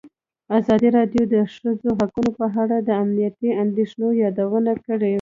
ازادي راډیو د د ښځو حقونه په اړه د امنیتي اندېښنو یادونه کړې.